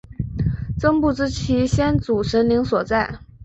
曾不知其先祖神灵所在。